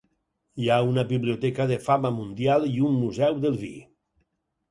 Hi ha una biblioteca de fama mundial i un museu del vi.